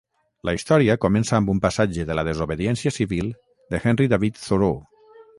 La història comença amb un passatge de la "Desobediència Civil" d'Henry David Thoreau.